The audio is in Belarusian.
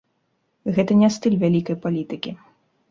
Гэта не стыль вялікай палітыкі.